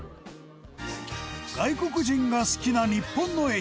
外国人が好きな日本の駅